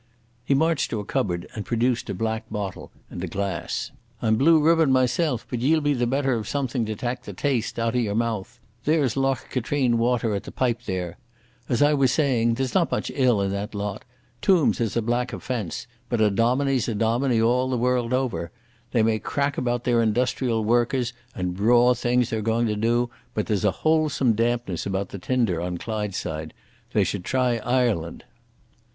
He marched to a cupboard and produced a black bottle and glass. "I'm blue ribbon myself, but ye'll be the better of something to tak the taste out of your mouth. There's Loch Katrine water at the pipe there.... As I was saying, there's not much ill in that lot. Tombs is a black offence, but a dominie's a dominie all the world over. They may crack about their Industrial Workers and the braw things they're going to do, but there's a wholesome dampness about the tinder on Clydeside. They should try Ireland."